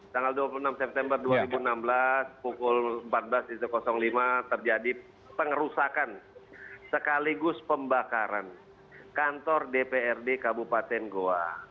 tanggal dua puluh enam september dua ribu enam belas pukul empat belas lima terjadi pengerusakan sekaligus pembakaran kantor dprd kabupaten goa